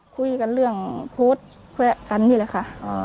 คุยกันเรื่องโพสต์แวะกันนี่แหละค่ะ